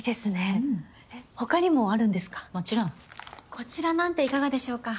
こちらなんていかがでしょうか？